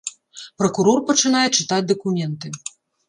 Пракурор пачынае чытаць дакументы.